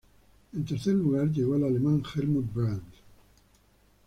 En tercer lugar, llegó al alemán Helmut Bradl.